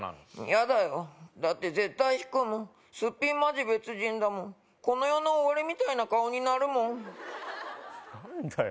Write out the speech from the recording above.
嫌だよだって絶対引くもんすっぴんマジ別人だもんこの世の終わりみたいな顔になるもん何だよ